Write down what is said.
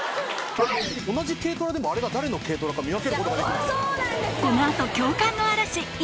同じ軽トラでもあれが誰の軽トラか見分けることができるんです。